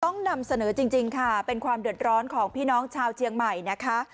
นำเสนอจริงค่ะเป็นความเดือดร้อนของพี่น้องชาวเชียงใหม่นะคะ